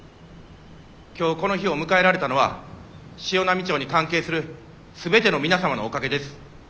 今日この日を迎えられたのは潮波町に関係する全ての皆様のおかげです。